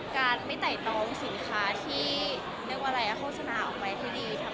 ก็ผิดที่ทางเราเองที่เราไม่ดูให้ดีค่ะ